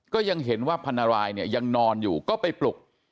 ก็ยังเห็นว่าพันรายเนี่ยยังนอนอยู่ก็ไปปลุก